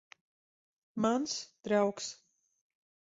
Mans draugs.